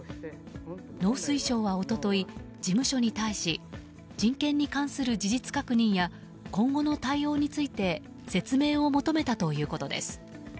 農水省は一昨日、事務所に対し人権に関する事実確認や今後の対応について説明を求めたということです。